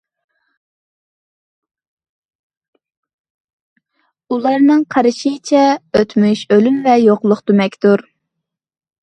ئۇلارنىڭ قارىشىچە، ئۆتمۈش ئۆلۈم ۋە يوقلۇق دېمەكتۇر.